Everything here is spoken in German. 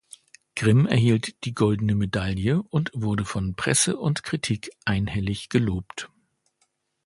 Grimm erhielt die Goldene Medaille und wurde von Presse und Kritik einhellig gelobt.